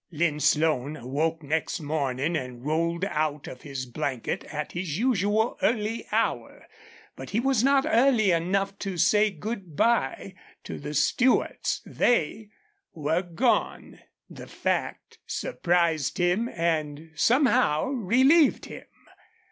Lin Slone awoke next morning and rolled out of his blanket at his usual early hour. But he was not early enough to say good by to the Stewarts. They were gone. The fact surprised him and somehow relieved him.